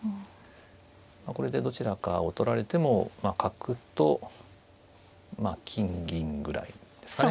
これでどちらかを取られても角と金銀ぐらいですね。